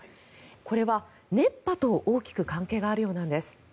これは熱波と大きく関係があるようなんです。